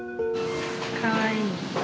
かわいい。